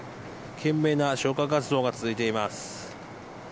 懸命な消火活動が続いています。